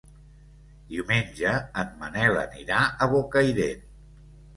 Diumenge en Manel anirà a Bocairent.